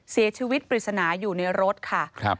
เสียชีวิตปริศนาอยู่ในรถค่ะ